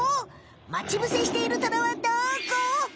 待ち伏せしているトラはどこ？